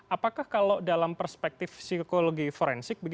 apakah kalau dalam perspektif psikologi forensik